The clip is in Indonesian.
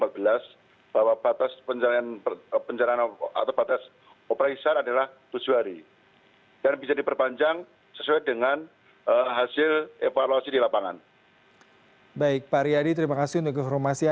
bahwa batas pencarian atau batas operasi adalah tujuh hari